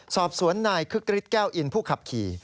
สอบสวนนายคึกฤทธิแก้วอินผู้ขับขี่